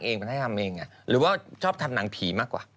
สร้างเองมาให้ทำเองอ่ะหรือว่าชอบทำหนังผีมากกว่า